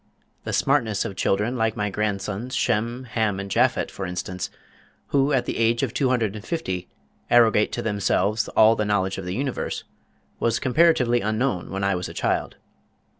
The smartness of children like my grandsons, Shem, Ham and Japhet, for instance, who at the age of two hundred and fifty arrogate to themselves all the knowledge of the universe, was comparatively unknown when I was a child.